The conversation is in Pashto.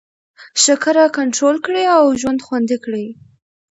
شکره کنټرول کړئ او ژوند خوندي کړئ.